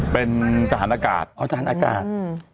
เป็นทหารอากาศอ๋อทหารอากาศ